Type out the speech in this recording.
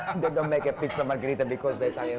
mereka tidak membakar pizza margarita karena dompeta italian